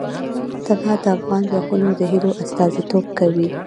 طلا د افغان ځوانانو د هیلو استازیتوب کوي.